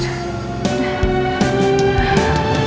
biar kangenan nih